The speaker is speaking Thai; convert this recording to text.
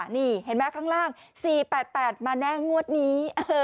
นี่เห็นไหมข้างล่าง๔๘๘มาแน่งวดนี้